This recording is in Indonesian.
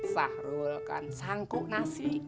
sahrul kan sangku nasi